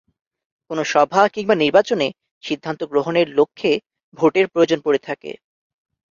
কোন সভা কিংবা নির্বাচনে সিদ্ধান্ত গ্রহণের লক্ষ্যে ভোটের প্রয়োজন পড়ে থাকে।